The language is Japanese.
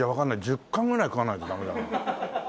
１０貫ぐらい食わないとダメだな。